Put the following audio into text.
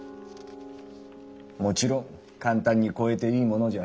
もちろん簡単に超えていいものじゃない。